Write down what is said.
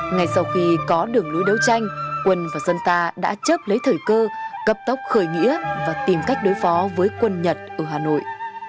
ngay sau khi có đường lối đấu tranh quân và dân ta đã chấp lấy thời cơ cấp tốc khởi nghĩa và tìm cách đối phó với quân nhật ở hà nội